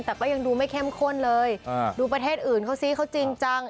แต่ก็ยังดูไม่เข้มข้นเลยดูประเทศอื่นเขาซิเขาจริงจัง